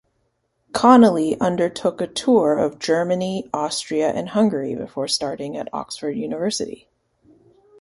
Connolly undertook a tour of Germany, Austria and Hungary before starting at Oxford University.